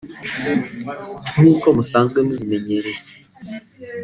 nk’uko musanzwe mubimenyereye